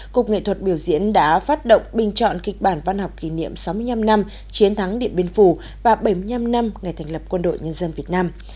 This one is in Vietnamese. cục nghệ thuật biểu diễn đã phát động bình chọn kịch bản văn học kỷ niệm sáu mươi năm năm chiến thắng điện biên phủ và bảy mươi năm năm ngày thành lập quân đội nhân dân việt nam